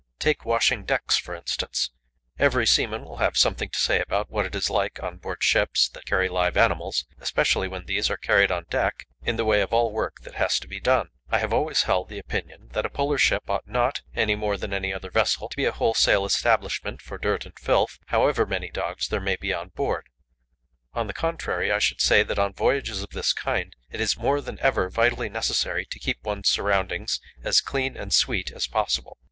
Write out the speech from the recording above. Take washing decks, for instance. Every seaman will have something to say about what this is like on board ships that carry live animals, especially when these are carried on deck, in the way of all work that has to be done. I have always held the opinion that a Polar ship ought not, any more than any other vessel, to be a wholesale establishment for dirt and filth, however many dogs there may be on board. On the contrary, I should say that on voyages of this kind it is more than ever vitally necessary to keep one's surroundings as clean and sweet as possible.